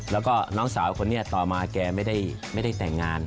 แล้วก็น้องสาวคนนี้ต่อมาแกไม่ได้แต่งงาน